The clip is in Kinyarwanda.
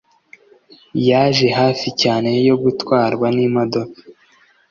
Yaje hafi cyane yo gutwarwa n'imodoka.